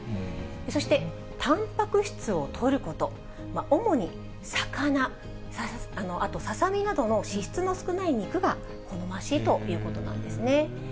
そしてたんぱく質をとること、主に魚、あと、ささみなどの脂質の少ない肉が好ましいということなんですね。